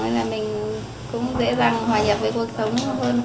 nên là mình cũng dễ dàng hòa nhập với cuộc sống hơn